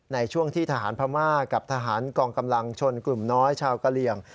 ในช่วงที่ทหารพม่ากับทหารกองกำลังชนกลุ่มน้อยชาวกะเหลี่ยง